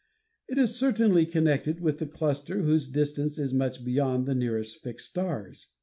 It is certainly connected with the cluster whose distance is much beyond the nearest fixed stars.